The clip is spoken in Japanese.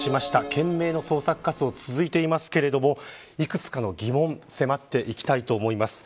懸命の捜索活動が続いていますけれどもいくつかの疑問に迫っていきたいと思います。